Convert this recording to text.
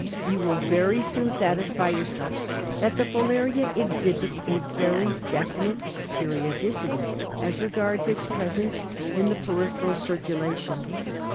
You will very soon satisfy your self that the filaria exhibits a very definite periodicity as regards its presence in the peripheral circulation.